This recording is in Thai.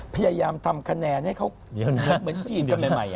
พยายามทำคะแนนให้เขาเหมือนจีนกันใหม่